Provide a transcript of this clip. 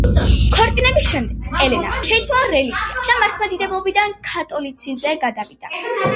ქორწინების შემდეგ ელენამ შეიცვალა რელიგია და მართლმადიდებლობიდან კათოლიციზმზე გადავიდა.